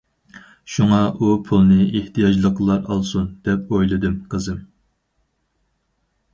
شۇڭا ئۇ پۇلنى ئېھتىياجلىقلار ئالسۇن، دەپ ئويلىدىم، قىزىم.